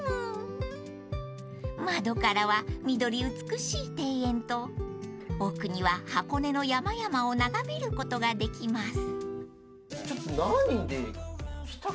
［窓からは緑美しい庭園と奥には箱根の山々を眺めることができます］